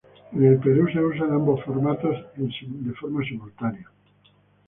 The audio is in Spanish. En el Perú se usan ambos formatos en simultáneo.